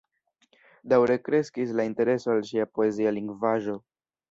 Daŭre kreskis la intereso al ŝia poezia lingvaĵo.